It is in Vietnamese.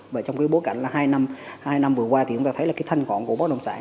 và trong cái bối cảnh là hai năm vừa qua thì chúng ta thấy là cái thanh khoản của bất đồng sản